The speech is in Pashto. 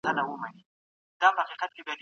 افغانستان نړیوال معیارونه نه پلي کوي.